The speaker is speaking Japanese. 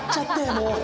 もう。